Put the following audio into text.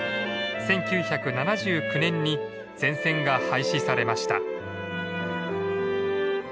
１９７９年に全線が廃止されました。